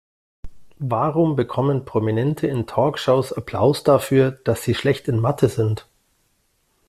Warum bekommen Prominente in Talkshows Applaus dafür, dass sie schlecht in Mathe sind?